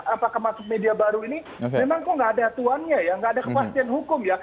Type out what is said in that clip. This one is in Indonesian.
apakah masuk media baru ini memang kok nggak ada atuannya ya nggak ada kepastian hukum ya